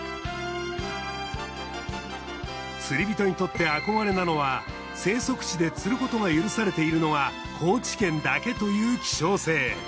釣り人にとって憧れなのは生息地で釣ることが許されているのが高知県だけという希少性。